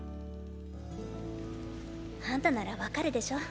あんたなら分かるでしょ？